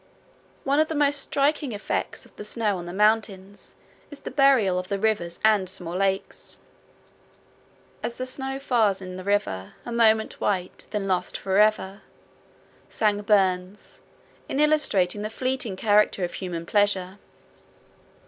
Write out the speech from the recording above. One of the most striking effects of the snow on the mountains is the burial of the rivers and small lakes. As the snow fa's in the river A moment white, then lost forever, sang Burns, in illustrating the fleeting character of human pleasure.